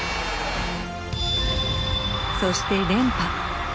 そして連覇。